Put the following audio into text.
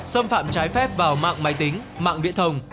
xâm phạm trái phép vào mạng máy tính mạng viễn thông